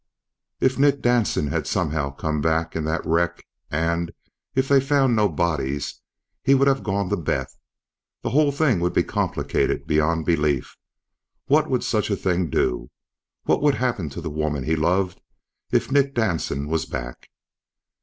If Nick Danson had somehow come back in that wreck and, if they found no bodies, he would have gone to Beth ... the whole thing would be complicated beyond belief. What would such a thing do? What would happen to the woman he loved, if Nick Danson was back?